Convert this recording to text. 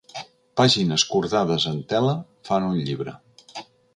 Pàgines cordades en tela fan un llibre.